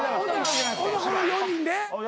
ほなこの４人で？